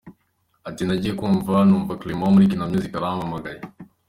Ati “ Nagiye kumva numva Clement wo muri Kina music arampamagaye.